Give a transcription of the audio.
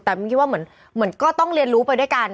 แต่มินคิดว่าเหมือนก็ต้องเรียนรู้ไปด้วยกัน